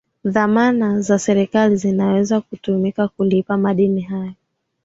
dhamana za serikali zinaweza kutumika kulipa madeni hayo